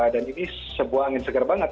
dan ini sebuah angin segar banget